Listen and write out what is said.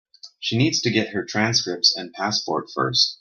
She needs to get her transcripts and passport first.